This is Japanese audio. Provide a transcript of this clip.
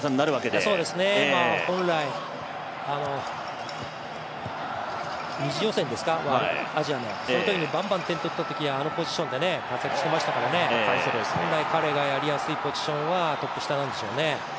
そうですね、本来、２次予選ですか、アジアの、そのときバンバンと点を取ってあのポジションで活躍をしてましたからね本来、彼がやりやすいポジションはトップ下なんでしょうね。